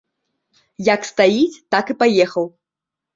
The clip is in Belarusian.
Як стаіць, так і паехаў.